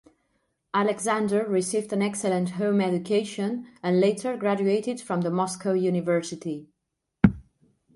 Alexander received an excellent home education and later graduated from the Moscow University.